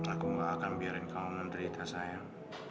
aku gak akan biarkan kamu menderita sayang